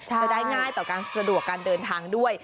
จะได้ง่ายต่อการสะดวกการเดินทางด้วย